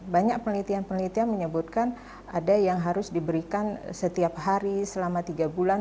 banyak penelitian penelitian menyebutkan ada yang harus diberikan setiap hari selama tiga bulan